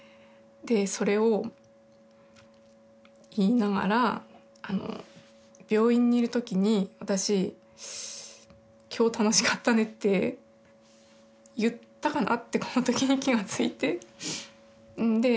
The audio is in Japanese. でそれを言いながら病院にいるときに私「今日楽しかったね」って言ったかなってこのときに気がついて。